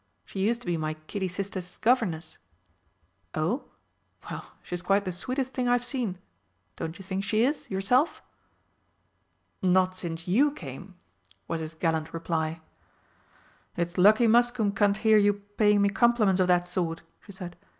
She used to be my kiddie sister's governess." "Oh? Well, she's quite the sweetest thing I've seen don't you think she is, yourself?" "Not since you came!" was his gallant reply. "It's lucky Muscombe can't hear you paying me compliments of that sort," she said.